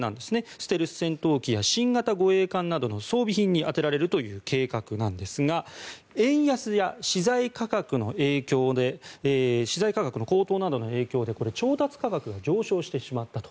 ステルス戦闘機や新型護衛艦などの装備品に充てられるという計画なんですが円安や資材価格の高騰などの影響で調達価格が上昇してしまったと。